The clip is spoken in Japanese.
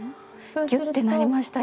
ギュッてなりました